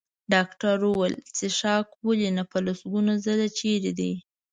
ډاکټر وویل: څښاک؟ ولې نه، په لسګونو ځل، چېرې دی؟